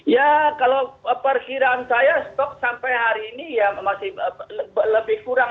ya kalau perkiraan saya stok sampai hari ini ya masih lebih kurang